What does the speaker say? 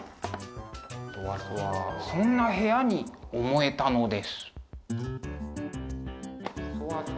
そんな部屋に思えたのです。